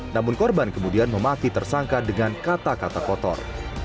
namun korban kemudian memaki tersangka dengan kata kata kotor